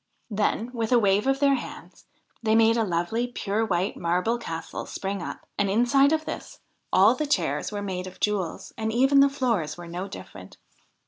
Then, with a wave of their wands, they made a lovely, pure white marble castle spring up, and, inside of this, all the chairs were made of jewels, and even the floors were no different.